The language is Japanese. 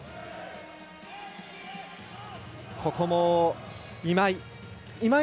ここも、今井。